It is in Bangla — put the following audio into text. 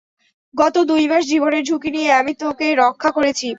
গত দুই মাস জীবনের ঝুঁকি নিয়ে আমি তোকে রক্ষা করেছি।